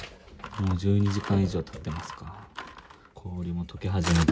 もう１２時間以上たっています。